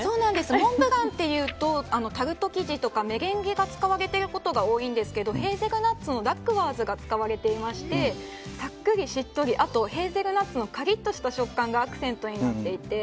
モンブランというとタルト生地とかメレンゲが使われていることが多いんですけどヘーゼルナッツのダックワーズが使われていましてさっくり、しっとりヘーゼルナッツのカリッとした食感がアクセントになっていて。